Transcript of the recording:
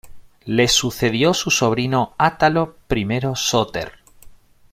Le sucedió su sobrino Átalo I Sóter.